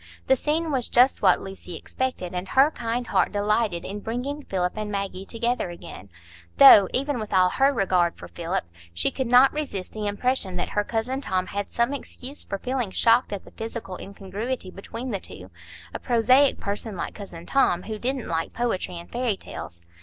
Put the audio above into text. The scene was just what Lucy expected, and her kind heart delighted in bringing Philip and Maggie together again; though, even with all her regard for Philip, she could not resist the impression that her cousin Tom had some excuse for feeling shocked at the physical incongruity between the two,—a prosaic person like cousin Tom, who didn't like poetry and fairy tales.